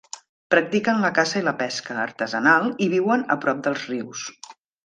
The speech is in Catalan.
Practiquen la caça i la pesca artesanal, i viuen a prop dels rius.